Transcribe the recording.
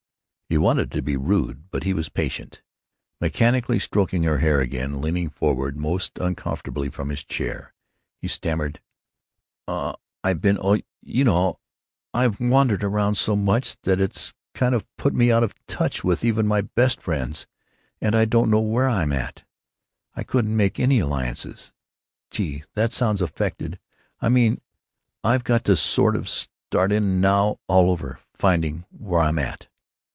He wanted to be rude, but he was patient. Mechanically stroking her hair again, leaning forward most uncomfortably from his chair, he stammered: "Oh, I've been——Oh, you know; I've wandered around so much that it's kind of put me out of touch with even my best friends, and I don't know where I'm at. I couldn't make any alliances——Gee! that sounds affected. I mean: I've got to sort of start in now all over, finding where I'm at."